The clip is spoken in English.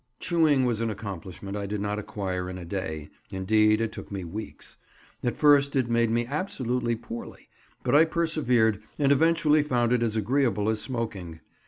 Chewing was an accomplishment I did not acquire in a day; indeed, it took me weeks. At first it made me absolutely poorly, but I persevered, and eventually found it as agreeable as smoking.